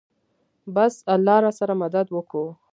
بس الله راسره مدد وکو.